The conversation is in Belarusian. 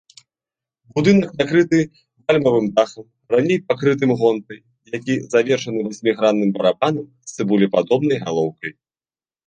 Будынак накрыты вальмавым дахам, раней пакрытым гонтай, які завершаны васьмігранным барабанам з цыбулепадобнай галоўкай.